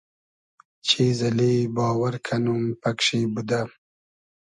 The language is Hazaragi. چیز اللی باوئر کئنوم پئگ شی بودۂ